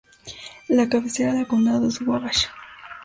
La cabecera del condado es Wabash.